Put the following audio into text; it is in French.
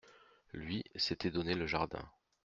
Lui, s'était donné le jardin.